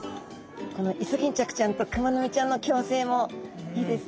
このイソギンチャクちゃんとクマノミちゃんの共生もいいですね